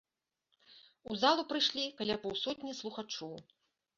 У залу прыйшлі каля паўсотні слухачоў.